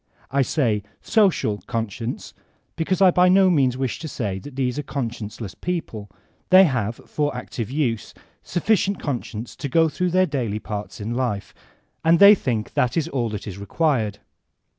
I say ''social'* conscience, because I by no means wish to say that these are conscienceless people; they have, for active use, sufficient conscience to go through their daily parts in life, and they think that is all that is required.